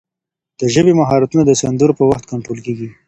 د ژبې مهارتونه د سندرو په وخت کنټرول کېږي.